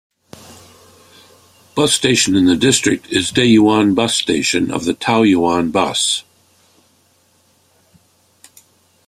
Bus station in the district is Dayuan Bus Station of Taoyuan Bus.